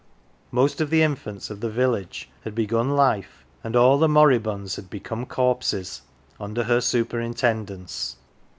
Most of the infants of the village had begun life, and all the moribunds had become corpses, under her superintendence.